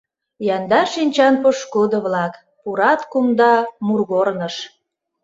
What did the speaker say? Яндар шинчан пошкудо-влак… Пурат кумда мургорныш.